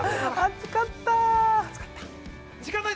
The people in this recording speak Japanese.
暑かった！